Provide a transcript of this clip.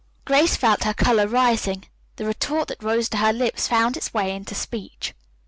Grace felt her color rising. The retort that rose to her lips found its way into speech.